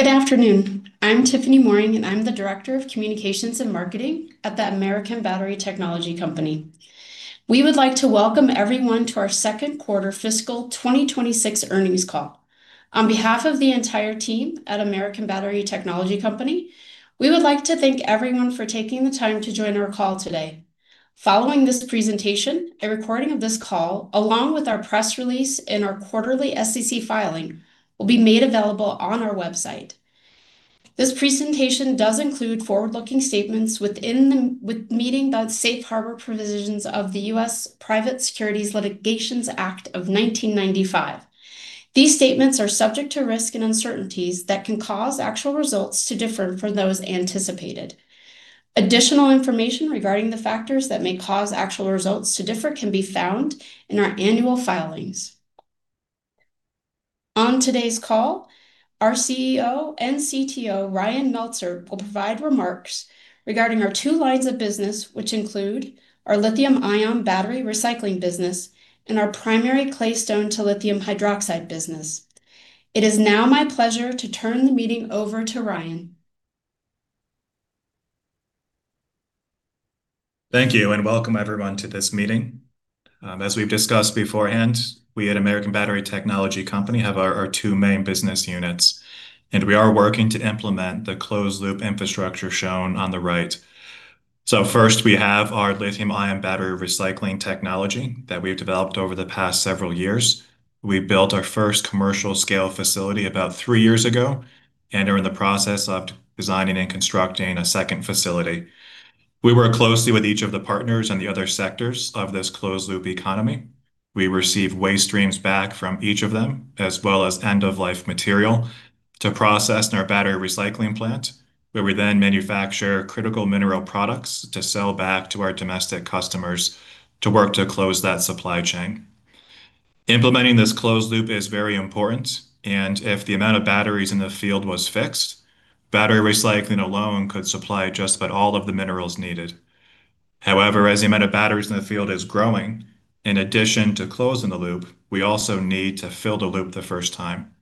Good afternoon. I'm Tiffiany Moehring, and I'm the Director of Communications and Marketing at the American Battery Technology Company. We would like to welcome everyone to our second quarter fiscal 2026 earnings call. On behalf of the entire team at American Battery Technology Company, we would like to thank everyone for taking the time to join our call today. Following this presentation, a recording of this call, along with our press release and our quarterly SEC filing, will be made available on our website. This presentation does include forward-looking statements within the, with meeting the safe harbor provisions of the U.S. Private Securities Litigation Reform Act of 1995. These statements are subject to risk and uncertainties that can cause actual results to differ from those anticipated. Additional information regarding the factors that may cause actual results to differ can be found in our annual filings. On today's call, our CEO and CTO, Ryan Melsert, will provide remarks regarding our two lines of business, which include our lithium-ion battery recycling business and our primary claystone to lithium hydroxide business. It is now my pleasure to turn the meeting over to Ryan. Thank you, and welcome everyone to this meeting. As we've discussed beforehand, we at American Battery Technology Company have our two main business units, and we are working to implement the closed-loop infrastructure shown on the right. So first, we have our lithium-ion battery recycling technology that we've developed over the past several years. We built our first commercial-scale facility about three years ago and are in the process of designing and constructing a second facility. We work closely with each of the partners and the other sectors of this closed-loop economy. We receive waste streams back from each of them, as well as end-of-life material to process in our battery recycling plant, where we then manufacture critical mineral products to sell back to our domestic customers to work to close that supply chain. Implementing this closed loop is very important, and if the amount of batteries in the field was fixed, battery recycling alone could supply just about all of the minerals needed. However, as the amount of batteries in the field is growing, in addition to closing the loop, we also need to fill the loop the first time.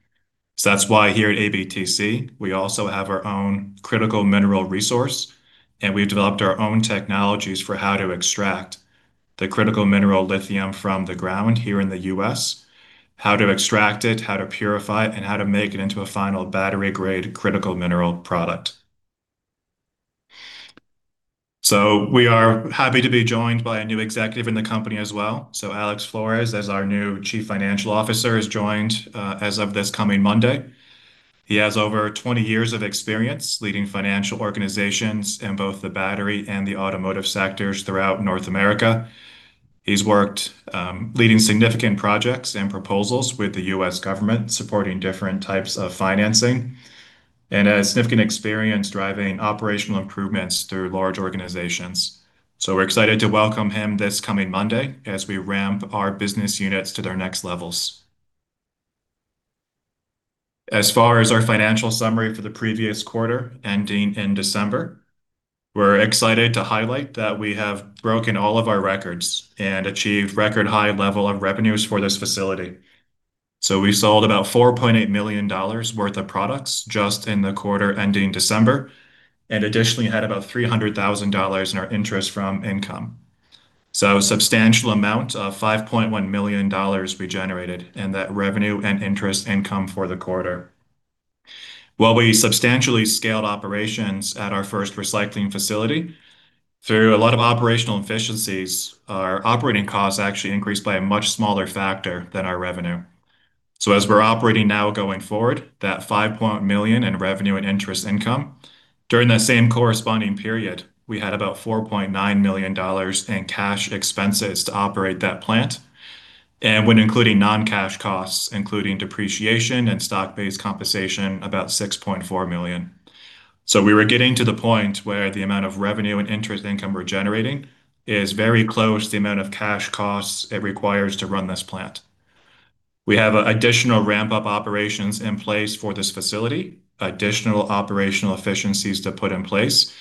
So that's why here at ABTC, we also have our own critical mineral resource, and we've developed our own technologies for how to extract the critical mineral lithium from the ground here in the U.S., how to extract it, how to purify it, and how to make it into a final battery-grade critical mineral product. So we are happy to be joined by a new executive in the company as well. So Alex Flores, as our new Chief Financial Officer, has joined, as of this coming Monday. He has over 20 years of experience leading financial organizations in both the battery and the automotive sectors throughout North America. He's worked, leading significant projects and proposals with the U.S. government, supporting different types of financing, and has significant experience driving operational improvements through large organizations. So we're excited to welcome him this coming Monday as we ramp our business units to their next levels. As far as our financial summary for the previous quarter ending in December, we're excited to highlight that we have broken all of our records and achieved record high level of revenues for this facility. So we sold about $4.8 million worth of products just in the quarter ending December and additionally had about $300,000 in our interest income. So a substantial amount of $5.1 million we generated in that revenue and interest income for the quarter. While we substantially scaled operations at our first recycling facility, through a lot of operational efficiencies, our operating costs actually increased by a much smaller factor than our revenue. So as we're operating now going forward, that $5.1 million in revenue and interest income, during that same corresponding period, we had about $4.9 million in cash expenses to operate that plant. And when including non-cash costs, including depreciation and stock-based compensation, about $6.4 million. So we were getting to the point where the amount of revenue and interest income we're generating is very close to the amount of cash costs it requires to run this plant. We have additional ramp-up operations in place for this facility, additional operational efficiencies to put in place,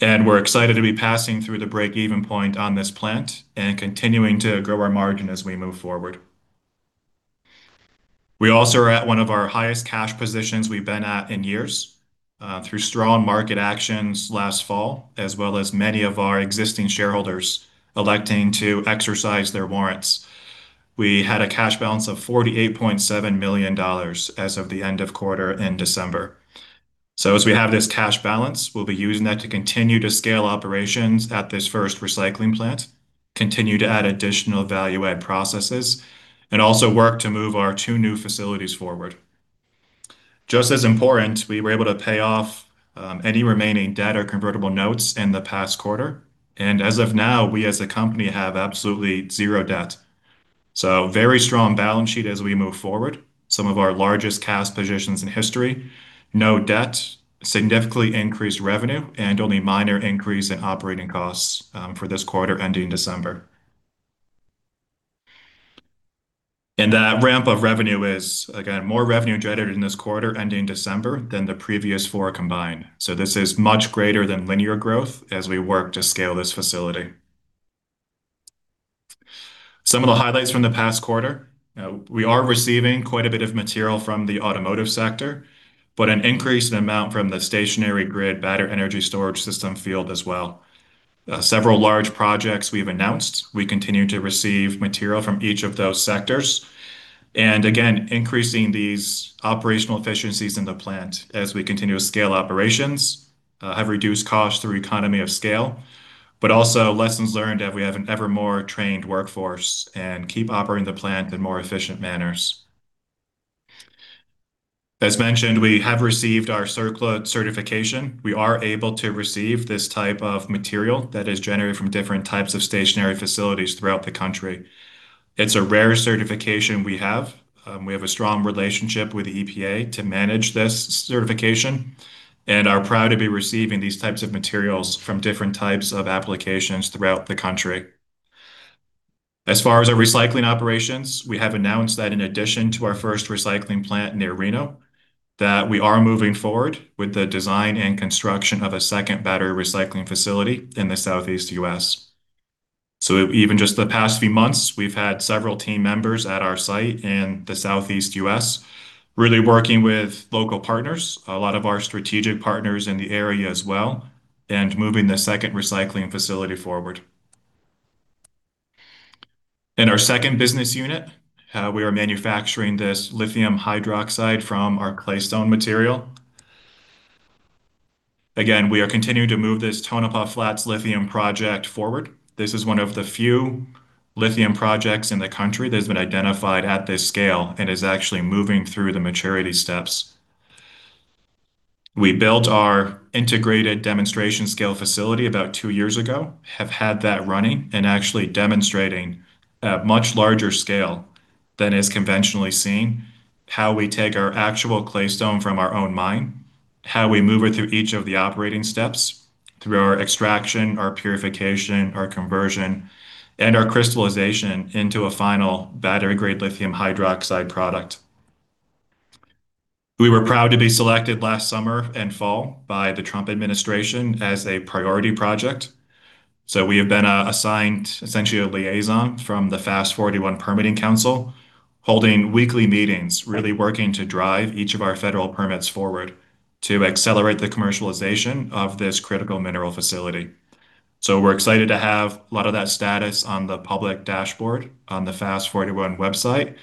and we're excited to be passing through the break-even point on this plant and continuing to grow our margin as we move forward. We also are at one of our highest cash positions we've been at in years, through strong market actions last fall, as well as many of our existing shareholders electing to exercise their warrants. We had a cash balance of $48.7 million as of the end of quarter in December. So as we have this cash balance, we'll be using that to continue to scale operations at this first recycling plant, continue to add additional value-add processes, and also work to move our two new facilities forward. Just as important, we were able to pay off any remaining debt or convertible notes in the past quarter, and as of now, we as a company have absolutely zero debt. So very strong balance sheet as we move forward. Some of our largest cash positions in history, no debt, significantly increased revenue, and only minor increase in operating costs for this quarter ending December. And that ramp of revenue is, again, more revenue generated in this quarter ending December than the previous four combined. So this is much greater than linear growth as we work to scale this facility... Some of the highlights from the past quarter. We are receiving quite a bit of material from the automotive sector, but an increased amount from the stationary grid, battery energy storage system field as well. Several large projects we've announced. We continue to receive material from each of those sectors. And again, increasing these operational efficiencies in the plant as we continue to scale operations, have reduced costs through economy of scale, but also lessons learned as we have an ever more trained workforce and keep operating the plant in more efficient manners. As mentioned, we have received our CERCLA certification. We are able to receive this type of material that is generated from different types of stationary facilities throughout the country. It's a rare certification we have. We have a strong relationship with the EPA to manage this certification and are proud to be receiving these types of materials from different types of applications throughout the country. As far as our recycling operations, we have announced that in addition to our first recycling plant near Reno, that we are moving forward with the design and construction of a second battery recycling facility in the Southeast U.S.. So even just the past few months, we've had several team members at our site in the Southeast U.S., really working with local partners, a lot of our strategic partners in the area as well, and moving the second recycling facility forward. In our second business unit, we are manufacturing this lithium hydroxide from our claystone material. Again, we are continuing to move this Tonopah Flats Lithium Project forward. This is one of the few lithium projects in the country that's been identified at this scale and is actually moving through the maturity steps. We built our integrated demonstration scale facility about two years ago, have had that running and actually demonstrating a much larger scale than is conventionally seen, how we take our actual claystone from our own mine, how we move it through each of the operating steps, through our extraction, our purification, our conversion, and our crystallization into a final battery-grade lithium hydroxide product. We were proud to be selected last summer and fall by the Trump administration as a priority project. So we have been, assigned essentially a liaison from the FAST-41 Permitting Council, holding weekly meetings, really working to drive each of our federal permits forward to accelerate the commercialization of this critical mineral facility. We're excited to have a lot of that status on the public dashboard, on the FAST-41 website,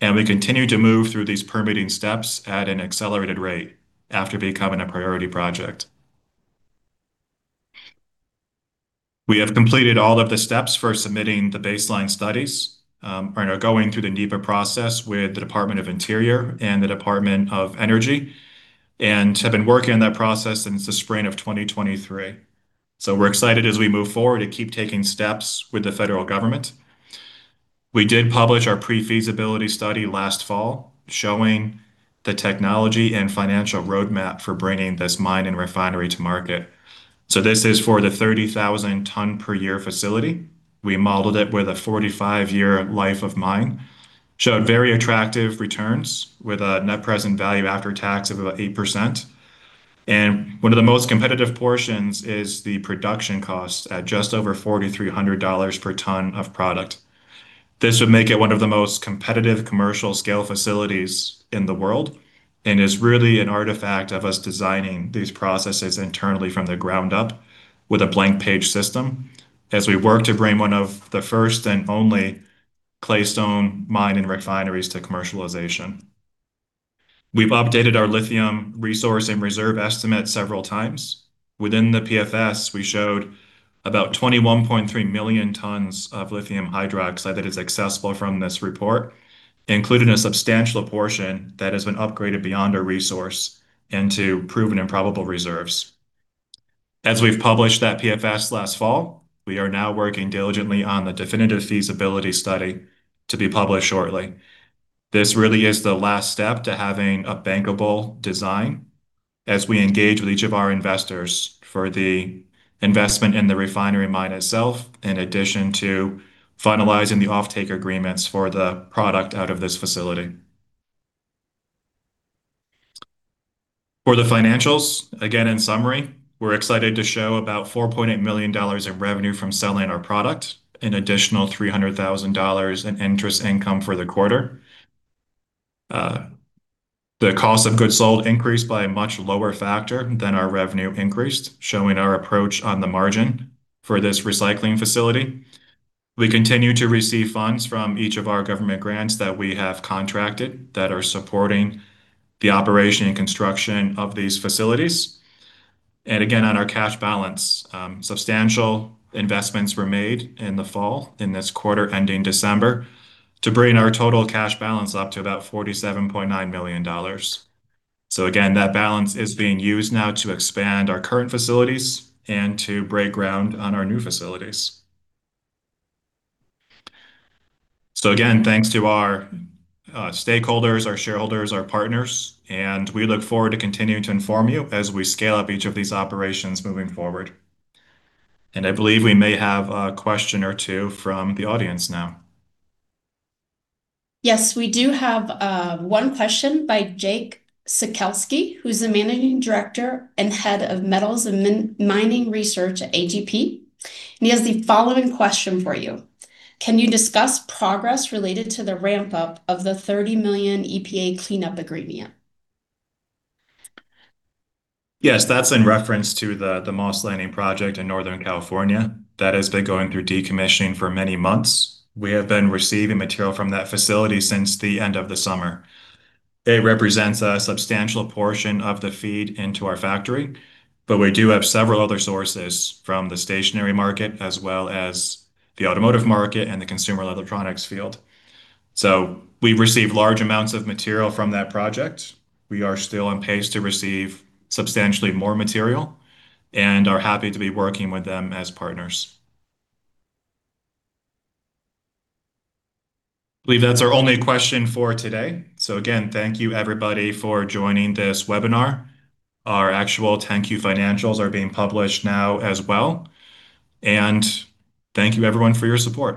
and we continue to move through these permitting steps at an accelerated rate after becoming a priority project. We have completed all of the steps for submitting the baseline studies, are now going through the NEPA process with the Department of the Interior and the Department of Energy, and have been working on that process since the spring of 2023. We're excited as we move forward to keep taking steps with the federal government. We did publish our pre-feasibility study last fall, showing the technology and financial roadmap for bringing this mine and refinery to market. This is for the 30,000 ton per year facility. We modeled it with a 45-year life of mine. Showed very attractive returns with a net present value after tax of about 8%. One of the most competitive portions is the production cost at just over $4,300 per ton of product. This would make it one of the most competitive commercial scale facilities in the world, and is really an artifact of us designing these processes internally from the ground up with a blank page system, as we work to bring one of the first and only claystone mine and refineries to commercialization. We've updated our lithium resource and reserve estimate several times. Within the PFS, we showed about 21.3 million tons of lithium hydroxide that is accessible from this report, including a substantial portion that has been upgraded beyond our resource into proven and probable reserves. As we've published that PFS last fall, we are now working diligently on the definitive feasibility study to be published shortly. This really is the last step to having a bankable design as we engage with each of our investors for the investment in the refinery mine itself, in addition to finalizing the offtake agreements for the product out of this facility. For the financials, again, in summary, we're excited to show about $4.8 million in revenue from selling our product, an additional $300,000 in interest income for the quarter. The cost of goods sold increased by a much lower factor than our revenue increased, showing our approach on the margin for this recycling facility. We continue to receive funds from each of our government grants that we have contracted that are supporting the operation and construction of these facilities. And again, on our cash balance, substantial investments were made in the fall, in this quarter ending December, to bring our total cash balance up to about $47.9 million. So again, that balance is being used now to expand our current facilities and to break ground on our new facilities. So again, thanks to our stakeholders, our shareholders, our partners, and we look forward to continuing to inform you as we scale up each of these operations moving forward. And I believe we may have a question or two from the audience now. Yes, we do have one question by Jake Sekelsky, who's the Managing Director and Head of Metals and Mining Research at AGP. And he has the following question for you: "Can you discuss progress related to the ramp-up of the $30 million EPA cleanup agreement?" Yes, that's in reference to the Moss Landing project in Northern California. That has been going through decommissioning for many months. We have been receiving material from that facility since the end of the summer. It represents a substantial portion of the feed into our factory, but we do have several other sources from the stationary market, as well as the automotive market and the consumer electronics field. So we've received large amounts of material from that project. We are still on pace to receive substantially more material and are happy to be working with them as partners. I believe that's our only question for today. So again, thank you everybody for joining this webinar. Our actual 10-Q financials are being published now as well. Thank you everyone for your support.